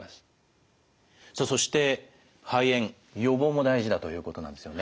さあそして肺炎予防も大事だということなんですよね。